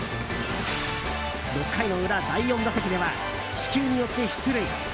６回の裏、第４打席では四球によって出塁。